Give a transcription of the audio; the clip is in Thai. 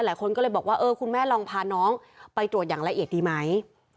หลายคนก็เลยบอกว่าเออคุณแม่ลองพาน้องไปตรวจอย่างละเอียดดีไหม